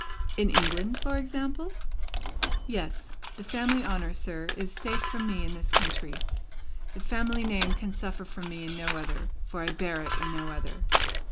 "In England, for example?" "Yes. The family honour, sir, is safe from me in this country. The family name can suffer from me in no other, for I bear it in no other."